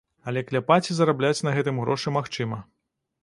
Але кляпаць і зарабляць на гэтым грошы магчыма.